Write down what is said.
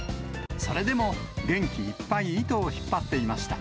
それでも元気いっぱい、糸を引っ張っていました。